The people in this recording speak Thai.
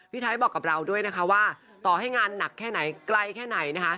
ไทยบอกกับเราด้วยนะคะว่าต่อให้งานหนักแค่ไหนไกลแค่ไหนนะคะ